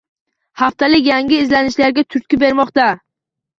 Haftalik yangi izlanishlarga turtki bermoqda